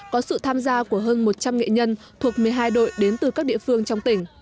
có sự tham gia của hơn một trăm linh nghệ nhân thuộc một mươi hai đội đến từ các địa phương trong tỉnh